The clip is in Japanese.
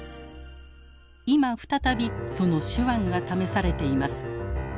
今再びその手腕が試されています。